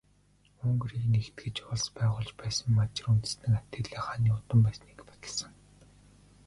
Унгарыг нэгтгэж улс байгуулж байсан Мажар үндэстэн Атилла хааны удам байсныг баталсан.